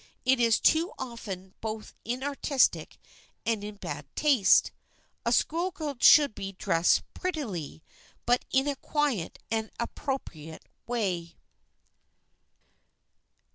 It is too often both inartistic and in bad taste. A schoolgirl should be dressed prettily, but in a quiet and appropriate way.